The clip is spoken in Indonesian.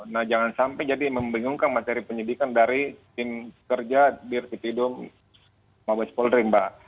nah jangan sampai jadi membingungkan materi penyidikan dari tim kerja birkitidum mabes polri mbak